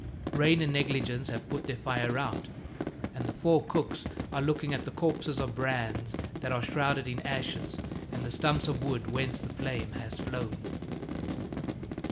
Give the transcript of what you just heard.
Rain and negligence have put their fire out, and the four cooks are looking at the corpses of brands that are shrouded in ashes and the stumps of wood whence the flame has flown.